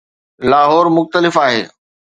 لاهور مختلف آهي.